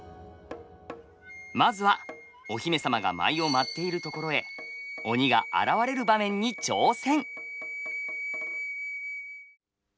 まずはお姫様が舞をまっているところへ鬼が現れる場面に挑戦。